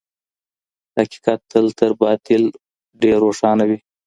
حقیقت تل تر باطل ډېر روښانه وي.